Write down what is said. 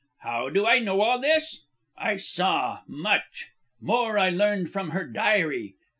"How do I know all this? I saw much. More I learned from her diary.